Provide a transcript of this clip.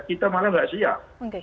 kita malah nggak siap